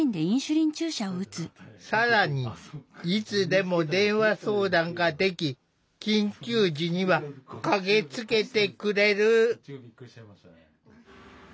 更にいつでも電話相談ができ緊急時には駆けつけてくれる。